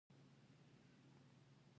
افغانستان کله خپله خپلواکي واخیسته؟